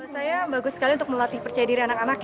saya bagus sekali untuk melatih percaya diri anak anak ya